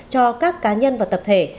cho các cá nhân và tập thể